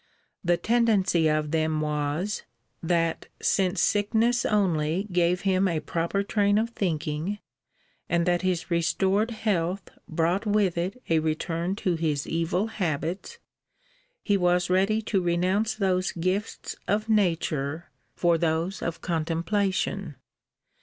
The tendency of them was, 'That, since sickness only gave him a proper train of thinking, and that his restored health brought with it a return to his evil habits, he was ready to renounce those gifts of nature for those of contemplation.'